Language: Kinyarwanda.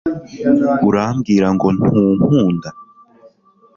urambwira ngo ntunkunda